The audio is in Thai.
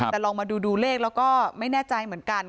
แต่ลองมาดูดูเลขแล้วก็ไม่แน่ใจเหมือนกัน